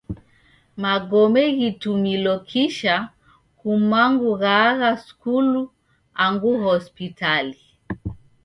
Magome ghitumilo kisha kumangu ghaagha skulu angu hospitali.